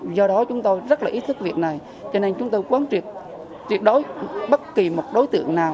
do đó chúng tôi rất là ý thức việc này cho nên chúng tôi quán triệt tuyệt đối bất kỳ một đối tượng nào